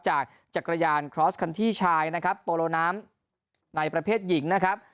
จากจักรยานคลอสคันที่ชายนะครับโปโลน้ำในประเภทหญิงนะครับ